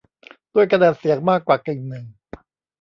ด้วยคะแนนเสียงมากกว่ากึ่งหนึ่ง